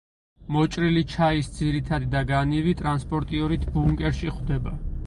მოჭრილი ჩაის ძირითადი და განივი ტრანსპორტიორით ბუნკერში ხვდება.